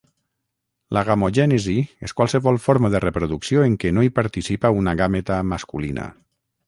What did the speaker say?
L'agamogènesi és qualsevol forma de reproducció en què no hi participa una gàmeta masculina.